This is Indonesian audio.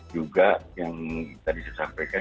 juga yang tadi saya sampaikan